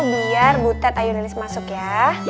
biar butet ayo nilis masuk ya